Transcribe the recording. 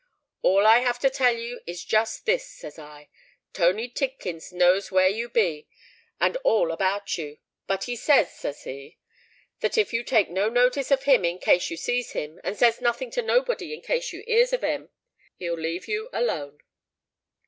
—'All I have to tell you is just this,' says I: '_Tony Tidkins knows where you be and all about you. But he says, says he, that if you take no notice of him in case you sees him, and says nothing to nobody in case you 'ears of him, he'll leave you alone.